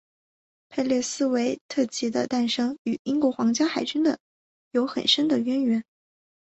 佩列斯韦特级的诞生与英国皇家海军的有很深的渊源。